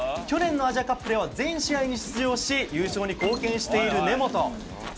去年のアジアカップでは全試合に出場し優勝に貢献している根本。